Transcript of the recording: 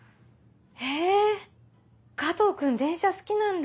へぇ加藤君電車好きなんだ。